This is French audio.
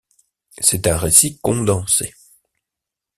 C'est un récit condensé.